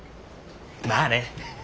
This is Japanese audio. まあね。